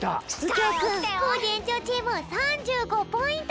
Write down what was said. きょうくんコージ園長チーム３５ポイント